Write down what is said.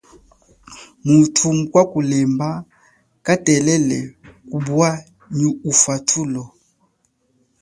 Muthu mukwa kulemba katelele kupwa nyi ufathulo.